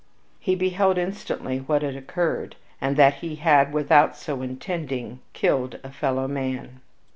He beheld instantly what had occurred, and that he had, without so intending, killed a fellow man.